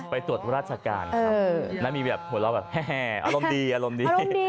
ไปตรวจราชการครับแล้วมีแบบหัวเราะแบบแม่อารมณ์ดีอารมณ์ดี